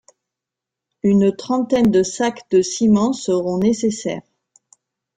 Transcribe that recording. une trentaine de sacs de ciment seront nécessaire